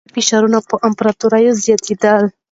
بهرني فشارونه پر امپراتورۍ زياتېدل.